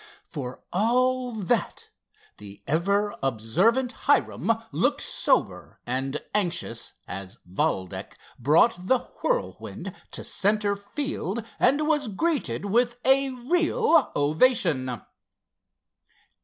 For all that, the ever observant Hiram looked sober and anxious as Valdec brought the Whirlwind to center field, and was greeted with a real ovation.